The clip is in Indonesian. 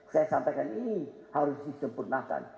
saya sampaikan ini harus disempurnakan